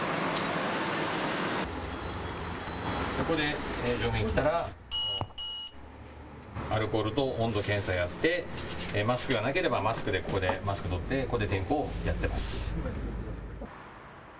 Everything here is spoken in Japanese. ここで乗務員が来たらアルコールと温度検査をやって、マスクがなければマスクをここで点呼をやってます。